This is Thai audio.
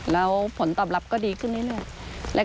แล้วผลตอบรับก็ดีขึ้นเรื่อย